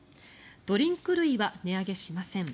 ドリンク類は値上げしません。